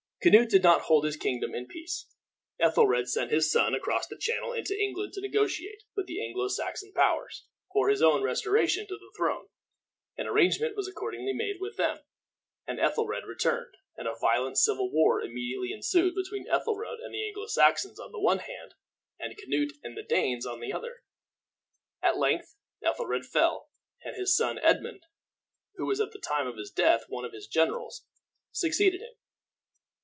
Canute did not hold his kingdom in peace. Ethelred sent his son across the Channel into England to negotiate with the Anglo Saxon powers for his own restoration to the throne. An arrangement was accordingly made with them, and Ethelred returned, and a violent civil war immediately ensued between Ethelred and the Anglo Saxons on the one hand, and Canute and the Danes on the other. At length Ethelred fell, and his son Edmund, who was at the time of his death one of his generals, succeeded him.